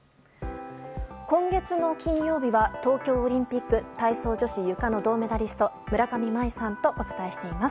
今月の金曜日は東京オリンピック体操女子ゆかの銅メダリスト村上茉愛さんとお伝えしています。